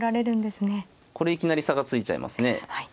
これいきなり差がついちゃいますね。